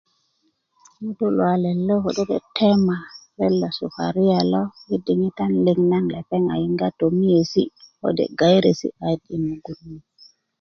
ŋutu' luwalet lo ködö tetema ret lo sukaria lo yi diŋitan liŋ naŋ lepeŋ a yiŋga tomiyesi kode' gayeeresi kanyit yi mugun ni